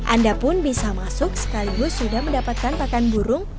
anda pun bisa masuk sekaligus sudah mendapatkan pakan burung